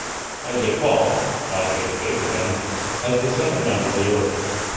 Isaac Paul (now Bishop Abraham) as the second member of the order.